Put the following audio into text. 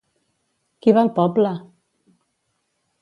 Qui va al poble?